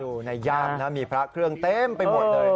อยู่ในย่ามนะมีพระเครื่องเต็มไปหมดเลย